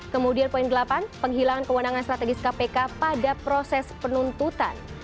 kemudian poin delapan penghilangan kewenangan strategis kpk pada proses penuntutan